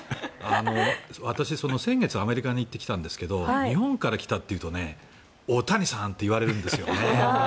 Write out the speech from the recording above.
私、先月アメリカに行ってきたんですが日本から来たというとオオタニサンと言われるんですね。